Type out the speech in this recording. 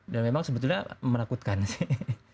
dan memang sebetulnya menakutkan sih